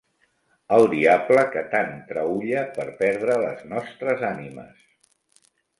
El diable, que tant traülla per perdre les nostres ànimes...